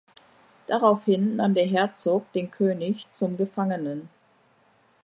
Daraufhin nahm der Herzog den König zum Gefangenen.